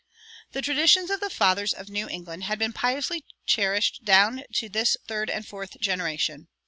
The traditions of the fathers of New England had been piously cherished down to this third and fourth generation.